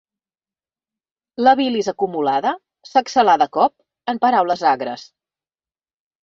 La bilis acumulada s'exhalà de cop en paraules agres.